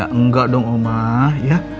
ya enggak dong omah